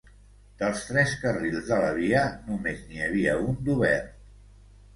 Dels tres carrils de la via, només n’hi havia un d’obert.